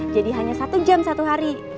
jadi hanya satu jam satu hari